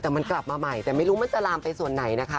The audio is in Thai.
แต่มันกลับมาใหม่แต่ไม่รู้มันจะลามไปส่วนไหนนะคะ